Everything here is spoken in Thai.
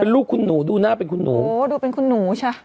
เป็นลูกคุณหนูดูน่าเป็นคุณหนูโอ้โหดูเป็นคุณหนูเถอะ